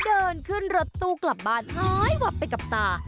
เดินขึ้นรถตู้กลับบ้านหายหวับไปกับตา